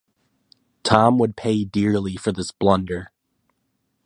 Tom would pay dearly for this blunder...